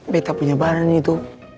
peta punya barang itu